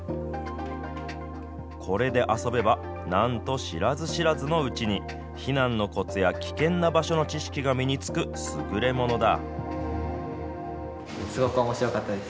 これで遊べば、なんと知らず知らずのうちに、避難のこつや、危険な場所の知識が身につく優れものだ。